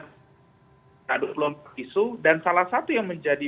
nah dua puluh empat isu dan salah satu yang menjadi